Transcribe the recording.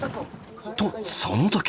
とその時！